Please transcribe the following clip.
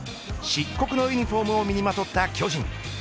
漆黒のユニホームを身にまとった巨人。